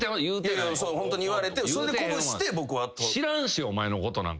ホントに言われてそれで鼓舞して僕は。何で？